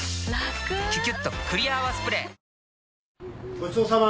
ごちそうさま。